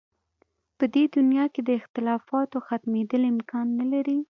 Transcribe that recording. په دې دنیا کې د اختلافاتو ختمېدل امکان نه لري.